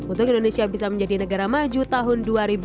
untuk indonesia bisa menjadi negara maju tahun dua ribu dua puluh